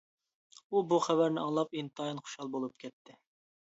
ئۇ بۇ خەۋەرنى ئاڭلاپ ئىنتايىن خۇشال بولۇپ كەتتى.